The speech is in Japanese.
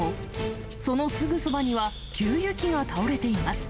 そのすぐそばには、給油機が倒れています。